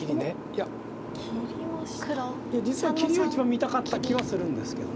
いや実は切りを一番見たかった気はするんですけど。